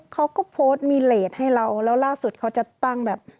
เขาก็โพสต์มีเลสให้เราแล้วล่าสุดเขาจะตั้งแบบ